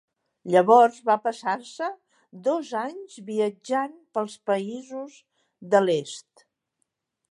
Llavors va passar-se dos anys viatjant pels països de l'est.